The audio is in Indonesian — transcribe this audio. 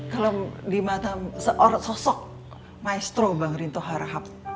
kalau di mata sosok maestro bang rinto harahap